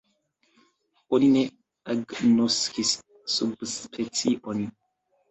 Oni ne agnoskis subspeciojn.